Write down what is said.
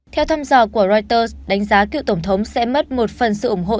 theo thăm dò của reuters đánh giá cựu tổng thống sẽ mất một phần sự ủng hộ